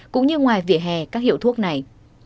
cũng như ngoài vỉa hè các hiệu thuốc này